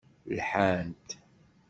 Lḥant.